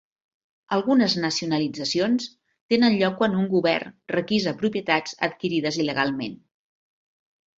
Algunes nacionalitzacions tenen lloc quan un govern requisa propietats adquirides il·legalment.